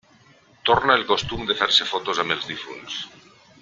Torna el costum de fer-se fotos amb els difunts.